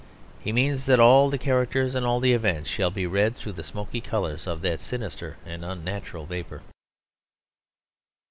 He means that all the characters and all the events shall be read through the smoky colours of that sinister and unnatural vapour.